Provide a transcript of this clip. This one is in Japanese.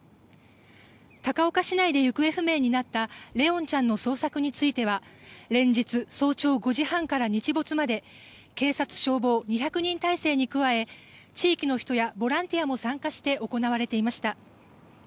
高岡市内で行方不明になった怜音ちゃんの捜索については連日、早朝５時半から日没まで警察、消防２００人態勢に加え地域の人やボランティアも参加して行われていました。